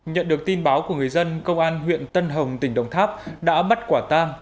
nhận được tin báo của người dân công an huyện tân hồng tỉnh đồng tháp đã bắt quả tang